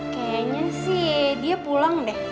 kayaknya sih dia pulang deh